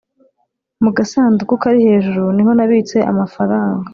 mu gasanduku karihejuru niho nabitse amafaranga